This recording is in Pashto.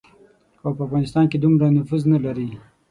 خو په افغانستان کې دومره نفوذ نه لري.